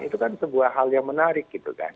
itu kan sebuah hal yang menarik gitu kan